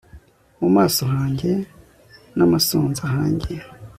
mu maso hange n'amasonza hange